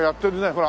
ほら。